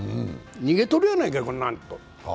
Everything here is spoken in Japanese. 逃げとるやないか、こんなんと。